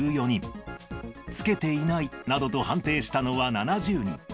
着けていないなどと判定したのは７０人。